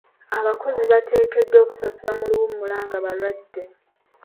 Abakozi bateekeddwa okusasulibwa mu luwummula nga balwadde.